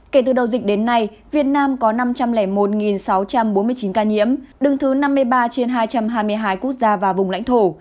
kể từ đầu dịch đến nay việt nam có năm trăm linh một sáu trăm bốn mươi chín ca nhiễm đứng thứ năm mươi ba trên hai trăm hai mươi hai quốc gia và vùng lãnh thổ